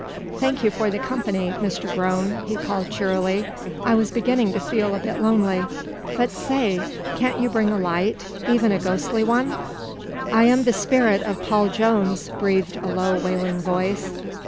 "Thank you for the company, Mr. Groan," he called cheerily. "I was beginning to feel a bit lonely. But say! Can't you bring a light even a ghostly one?" "I am the spirit of Paul Jones," breathed a low, wailing voice.